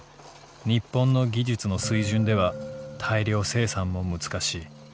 日本の技術の水準では大量生産もむつかしい。